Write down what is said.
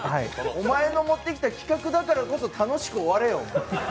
お前の持ってきた企画だからこそ、楽しく終われよ。